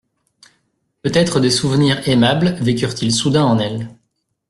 Peut-être des souvenirs aimables vécurent-ils soudain en elle.